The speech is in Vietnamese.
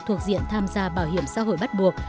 thuộc diện tham gia bảo hiểm xã hội bắt buộc